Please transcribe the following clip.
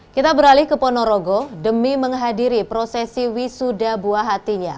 kita beralih ke ponorogo demi menghadiri prosesi wisuda buah hatinya